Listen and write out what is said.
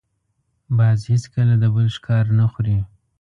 باز هېڅکله د بل ښکار نه خوري